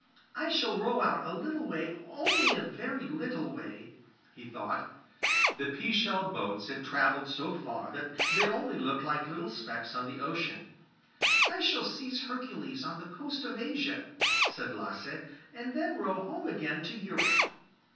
'I shall row out a little way only a very little way,' he thought. The pea shell boats had travelled so far that they only looked like little specks on the ocean. 'I shall seize Hercules on the coast of Asia,' said Lasse, 'and then row home again to Europe.